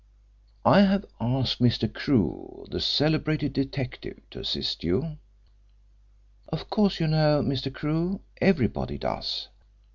"I have asked Mr. Crewe, the celebrated detective, to assist you. Of course you know Mr. Crewe everybody does.